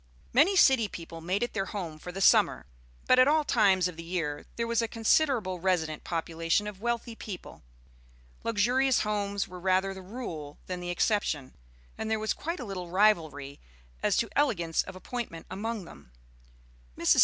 Many city people made it their home for the summer; but at all times of the year there was a considerable resident population of wealthy people. Luxurious homes were rather the rule than the exception, and there was quite a little rivalry as to elegance of appointment among them. Mrs. St.